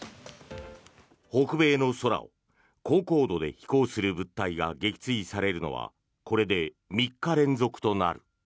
北米の空を高高度で飛行する物体が撃墜されるのはこれで３日連続となる。